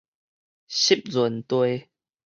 濕潤地